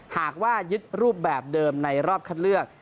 หากว่ายึดรูปแบบเดิมในรอบคัดเลือก